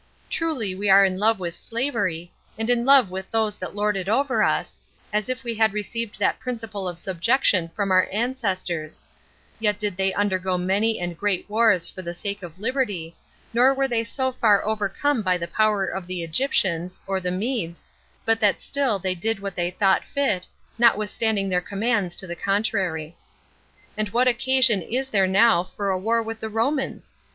Truly we are in love with slavery, and in love with those that lord it over us, as if we had received that principle of subjection from our ancestors; yet did they undergo many and great wars for the sake of liberty, nor were they so far overcome by the power of the Egyptians, or the Medes, but that still they did what they thought fit, notwithstanding their commands to the contrary. And what occasion is there now for a war with the Romans?